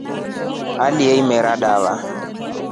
Aleya imera dava.